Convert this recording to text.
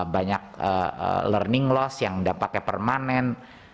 banyak learning loss yang dampaknya permanen